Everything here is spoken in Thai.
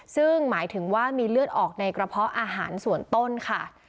ซึ่งหมายถึงว่ามีเลือดออกในกระเพาะอาหารส่วนต้นค่ะ